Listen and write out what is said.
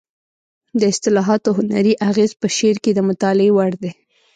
د اصطلاحاتو هنري اغېز په شعر کې د مطالعې وړ دی